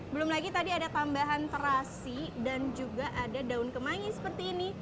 belum lagi tadi ada tambahan terasi dan juga ada daun kemangi seperti ini